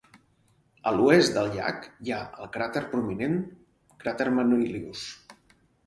A l'oest del llac hi ha el cràter prominent cràter Manilius.